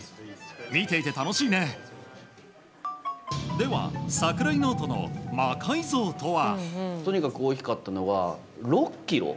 では、櫻井ノートの魔改造とは？